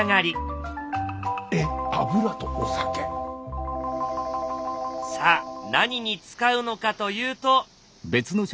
え油とお酒⁉さあ何に使うのかというと。